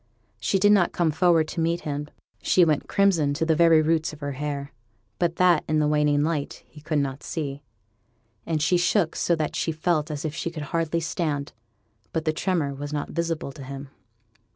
She did not come forward to meet him; she went crimson to the very roots of her hair; but that, in the waning light, he could not see; and she shook so that she felt as if she could hardly stand; but the tremor was not visible to him.